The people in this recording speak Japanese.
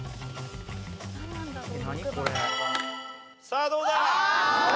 さあどうだ？